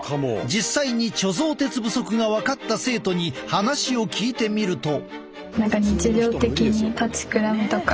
実際に貯蔵鉄不足が分かった生徒に話を聞いてみると。